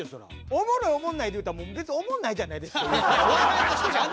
おもろいおもんないで言うたら別におもんないじゃないですかユージさん。